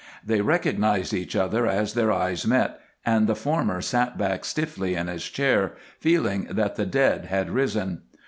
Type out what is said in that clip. They recognized each other as their eyes met, and the former sat back stiffly in his chair, feeling that the dead had risen.